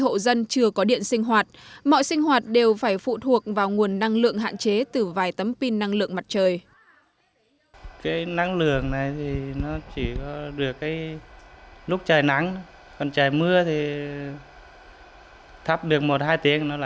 ba hộ dân chưa có điện sinh hoạt mọi sinh hoạt đều phải phụ thuộc vào nguồn năng lượng hạn chế từ vài tấm pin năng lượng mặt trời